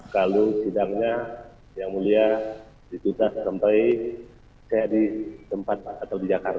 kalau tidaknya yang mulia ditutup sampai saya di tempat atau di jakarta